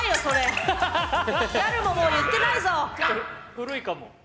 古いかも。